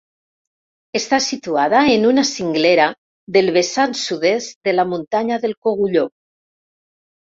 Està situada en una cinglera del vessant sud-est de la muntanya del Cogulló.